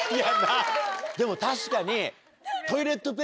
でも確かに。